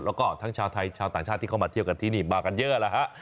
แล้วก็ทั้งชาวไทยชาวต่างชาติที่เข้ามาเที่ยวกันที่นี่มากันเยอะแล้วฮะ